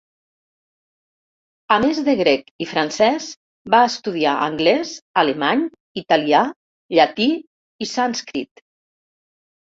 A més de grec i francès, va estudiar anglès, alemany, italià, llatí i sànscrit.